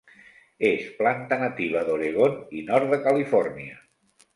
És planta nativa d'Oregon i nord de Califòrnia.